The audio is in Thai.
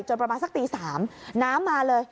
ประมาณสักตี๓น้ำมาเลย